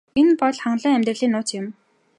Энэ бол хангалуун амьдралын нууц юм.